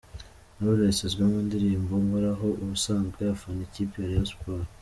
Knowless : Azwi mu ndirimbo “nkoraho” ubusanzwe afana ikipe ya Rayon Sport.